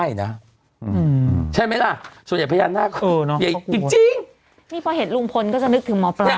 ใช่ไหมล่ะส่วนใหญ่พญานาคจริงนี่พอเห็นลุงพลก็จะนึกถึงหมอปลา